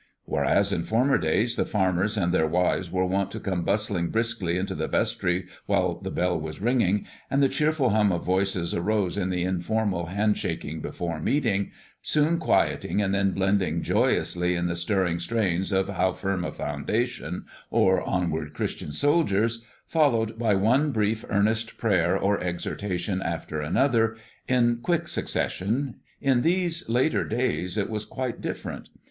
Whereas in former days the farmers and their wives were wont to come bustling briskly into the vestry while the bell was ringing, and the cheerful hum of voices arose in the informal handshaking "before meeting," soon quieting and then blending joyously in the stirring strains of "How Firm a Foundation," or "Onward, Christian Soldiers," followed by one brief, earnest prayer or exhortation after another, in quick succession, in these later days it was quite different.